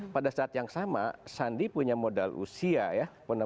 pada saat yang sama sandi punya modal usia ya